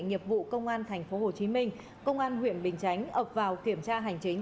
nghiệp vụ công an tp hcm công an huyện bình chánh ập vào kiểm tra hành chính